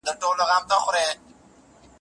په ماڼۍ کې د حمام ډنډونه ډک شول